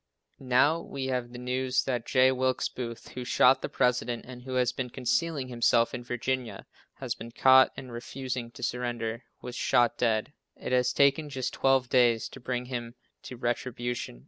Now we have the news that J. Wilkes Booth, who shot the President and who has been concealing himself in Virginia, has been caught, and refusing to surrender was shot dead. It has taken just twelve days to bring him to retribution.